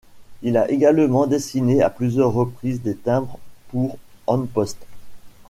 Il a également dessiné à plusieurs reprises des timbres pour An Post.